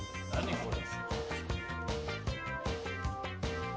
これ。